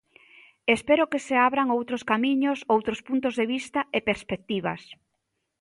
Espero que se abran outros camiños, outros puntos de vista e perspectivas.